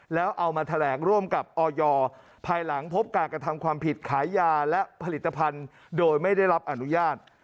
แล้วเอามาแถลงร่วมกับออยภายหลังพบการกระทำความผิดขายยาและผลิตภัณฑ์โดยไม่ได้รับอนุญาต